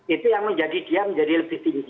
itu yang menjadi dia menjadi lebih tinggi